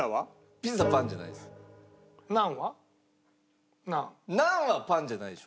ピザパンじゃないです。